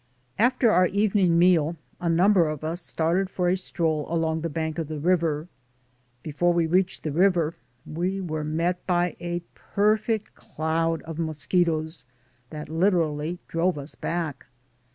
After our evening meal, a number of us started for a stroll along the bank of the river. Before we reached the river, we were met by a perfect cloud of mosquitoes that literally drove us back.